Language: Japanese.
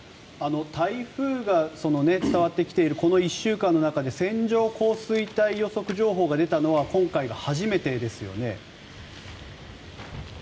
台風が伝わってきているこの１週間の中で線状降水帯予測情報が出たのは今回が初めてですよね？